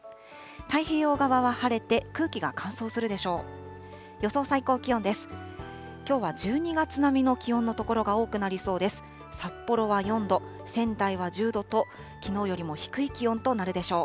太平洋側は晴れて、空気が乾燥するでしょう。